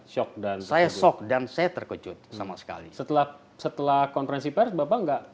shock dan saya shock dan saya terkejut sama sekali setelah setelah konferensi pers bapak enggak